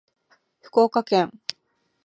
福岡県